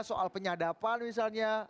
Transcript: soal penyadapan misalnya